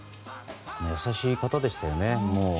優しい方でしたよね。